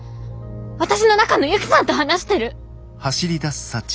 私の中のユキさんと話してる！